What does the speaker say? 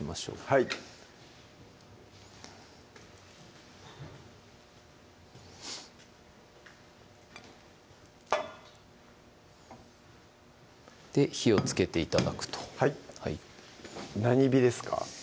はい火をつけて頂くとはい何火ですか？